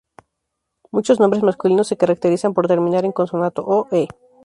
Muchos nombres masculinos se caracterizan por terminar en consonante o "-e".